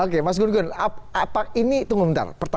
oke mas gun gun ini tunggu sebentar